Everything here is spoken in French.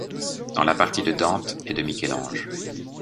dans la patrie de Dante et de Michel-Ange